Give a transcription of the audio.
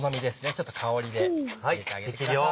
ちょっと香りで入れてあげてください。